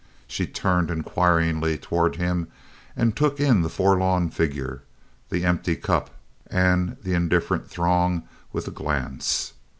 She turned inquiringly toward him and took in the forlorn figure, the empty cup, and the indifferent throng with a glance.